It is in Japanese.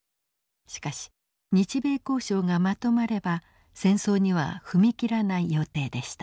しかし日米交渉がまとまれば戦争には踏み切らない予定でした。